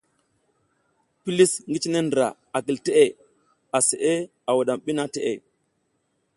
Pilis ngi cine ndra a kil teʼe, aseʼe a wuɗam bi nang teʼe.